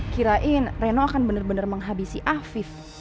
kirain reno akan bener bener menghabisi afif